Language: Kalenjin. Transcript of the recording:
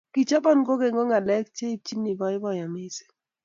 Kichobon kokeny ko ngalek che ibchine boiboiye mising.